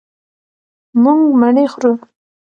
مونږ مڼې خورو.